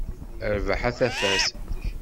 Rrbeḥ a tafat.